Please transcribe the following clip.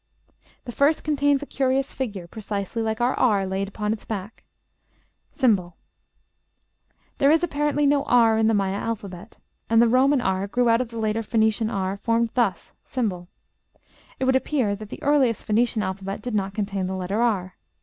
The first contains a curious figure, precisely like our r laid on its back ###. There is, apparently, no r in the Maya alphabet; and the Roman r grew out of the later Phoenician r formed thus, ###; it would appear that the earliest Phoenician alphabet did not contain the letter r.